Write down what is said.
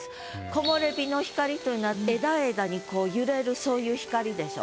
木漏れ日の光というのは枝枝にこう揺れるそういう光でしょ？